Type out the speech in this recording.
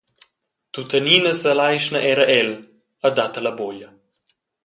Tuttenina seleischna era el e dat ella buglia.